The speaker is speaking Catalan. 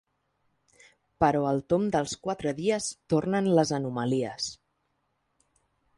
Però al tomb dels quatre dies tornen les anomalies.